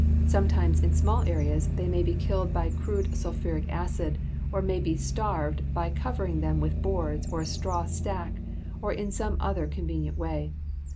Sometimes in small areas they may be killed by crude sulphuric acid or may be starved by covering them with boards or a straw stack or in some other convenient way.